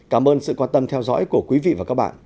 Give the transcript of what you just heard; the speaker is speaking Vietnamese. cảm ơn sự quan tâm theo dõi của quý vị và các bạn